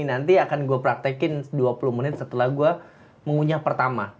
nanti akan gue praktekin dua puluh menit setelah gue mengunyah pertama